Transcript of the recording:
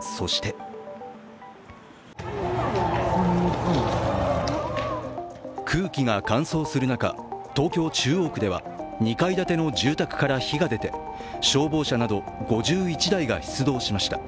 そして空気が乾燥する中、東京・中央区では２階建ての住宅から火が出て消防車など５１台が出動しました。